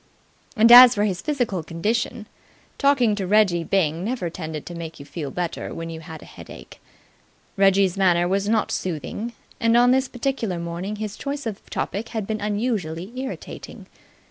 And as for his physical condition, talking to Reggie Byng never tended to make you feel better when you had a headache. Reggie's manner was not soothing, and on this particular morning his choice of a topic had been unusually irritating.